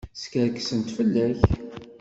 Skerksent fell-ak.